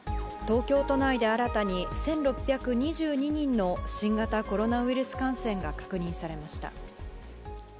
東京都内で新たに、１６２２人の新型コロナウイルス感染が確認されました。